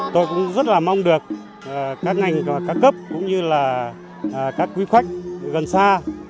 tôi cũng rất là mong được các ngành các cấp cũng như là các quy khách gần xa